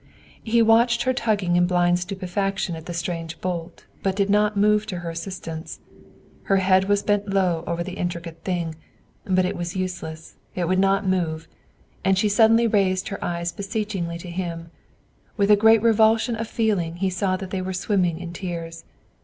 He watched her tugging in blind stupefaction at the strange bolt, but did not move to her assistance. Her head was bent low over the intricate thing; but it was useless, it would not move, and she suddenly raised her eyes beseechingly to him; with a great revulsion of feeling he saw that they were swimming in tears.